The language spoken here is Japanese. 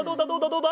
どうだ？